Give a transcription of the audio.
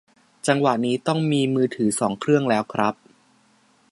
จังหวะนี้ต้องมีมือถือสองเครื่องแล้วครับ